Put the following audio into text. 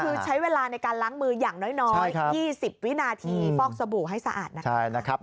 คือใช้เวลาในการล้างมืออย่างน้อย๒๐วินาทีฟอกสบู่ให้สะอาดนะครับ